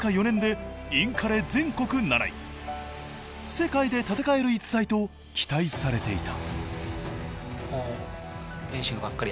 世界で戦える逸材と期待されていた。